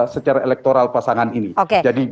secara elektoral pasangan ini jadi